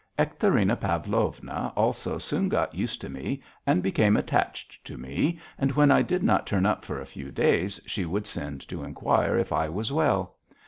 Ekaterina Pavlovna also soon got used to me and became attached to me, and when I did not turn up for a few days she would send to inquire if I was well.